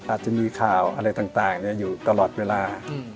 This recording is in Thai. อาจจะมีข่าวอะไรต่างอยู่ตลอดเวลา